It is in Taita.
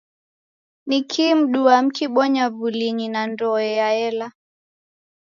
Niki mduaa mukibonya w'ulinyi na ndoe yaela?